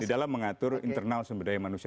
di dalam mengatur internal sumber daya manusia